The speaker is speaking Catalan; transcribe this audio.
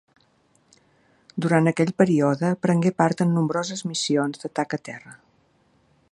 Durant aquell període prengué part en nombroses missions d'atac a terra.